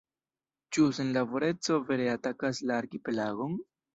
Ĉu senlaboreco vere atakas la arkipelagon?